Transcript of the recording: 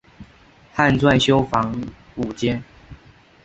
汉纂修房五间。